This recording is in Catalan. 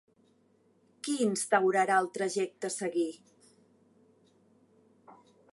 Qui instaurarà el trajecte seguir?